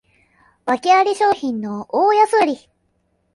わけあり商品の大安売り